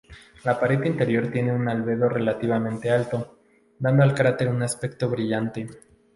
La pared interior tiene un albedo relativamente alto, dando al cráter un aspecto brillante.